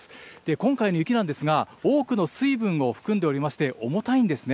今回の雪なんですが、多くの水分を含んでおりまして、重たいんですね。